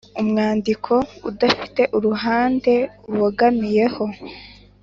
• Umwandiko udafite uruhande ubogamiyeho.